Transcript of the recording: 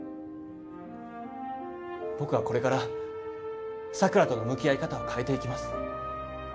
僕はこれから桜との向き合い方を変えていきます